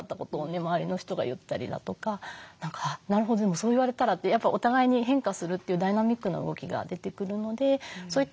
周りの人が言ったりだとか「なるほどでもそう言われたら」ってやっぱお互いに変化するというダイナミックな動きが出てくるのでそういった